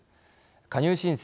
加入申請